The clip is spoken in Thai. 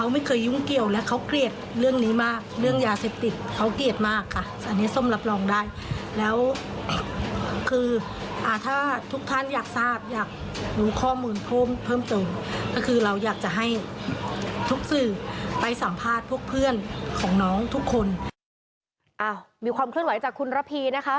มีความเคลื่อนไหวจากคุณระพีนะคะ